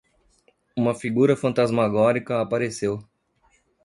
Uma figura fantasmagórica apareceu.